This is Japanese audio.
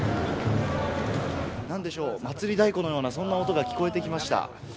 なんでしょう、祭り太鼓のような、そんな音が聞こえてきました。